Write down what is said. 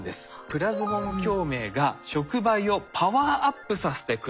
プラズモン共鳴が触媒をパワーアップさせてくれる。